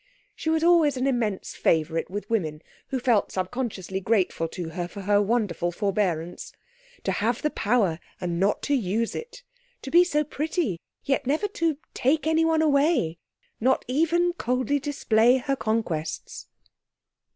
She was always an immense favourite with women, who felt subconsciously grateful to her for her wonderful forbearance. To have the power and not to use it! To be so pretty, yet never to take anyone away! not even coldly display her conquests.